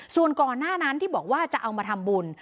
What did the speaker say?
ส่วนก่อนหน้านั้นที่บอกว่าจะเอามาทำบุญ